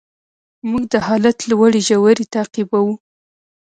موږ د حالت لوړې ژورې تعقیبوو.